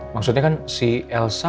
maksudnya kan si elsa